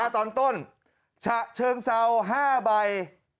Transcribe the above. ตอนต้นฉะเชิงเซา๕ใบ